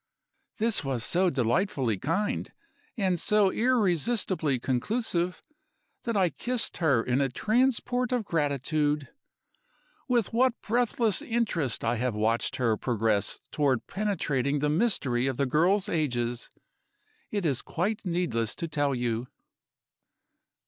This was so delightfully kind, and so irresistibly conclusive, that I kissed her in a transport of gratitude. With what breathless interest I have watched her progress toward penetrating the mystery of the girls' ages, it is quite needless to tell you."